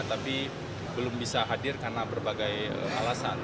tapi belum bisa hadir karena berbagai alasan